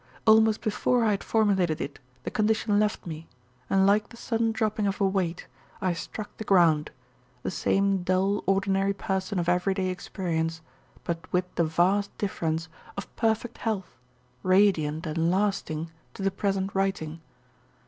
Almost before I had formulated it the condition left me, and like the sudden dropping of a weight, I struck the ground, the same dull, ordinary person of everyday experience, but with the vast difference of perfect health, radiant and lasting to the present writing.